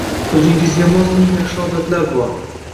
O’zingizga mos eng yaxshi odatlar bor